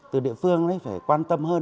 từ địa phương phải quan tâm hơn